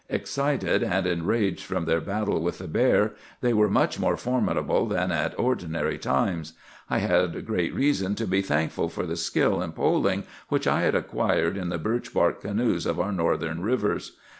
Excited and enraged from their battle with the bear, they were much more formidable than at ordinary times. I had great reason to be thankful for the skill in poling which I had acquired in the birch bark canoes of our Northern rivers.